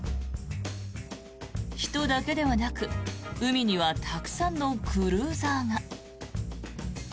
人だけではなく海にはたくさんのクルーザーが。